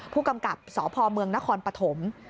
ผู้กำกับสพเมืองนครปฐม